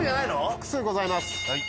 複数ございます。